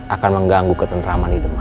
akan mengganggu ketentraman di demak